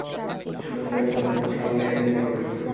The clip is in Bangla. সুরঙ্গের মধ্যে মশাল লইয়া তিনি প্রবেশ করিলেন।